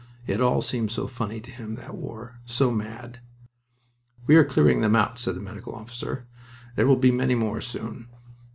It all seemed so funny to him, that war, so mad! "We are clearing them out," said the medical officer. "There will be many more soon."